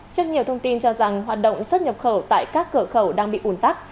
trước nhiều thông tin cho rằng hoạt động xuất nhập khẩu tại các cửa khẩu đang bị ủn tắc